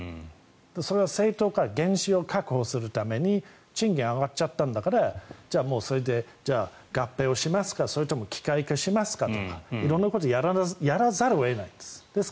それは原資を確保するために賃金が上がっちゃったんだからじゃあそれで合併をしますかそれとも機械化しますかとか色んなことをやらざるを得ないんです。